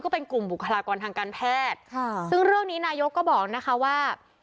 เป็นกลุ่มบุคลากรทางการแพทย์ค่ะซึ่งเรื่องนี้นายกก็บอกนะคะว่า